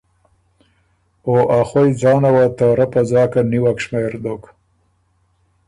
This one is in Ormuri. او ا خوئ ځانه وه ته رۀ په ځاکه نیوک شمېر دوک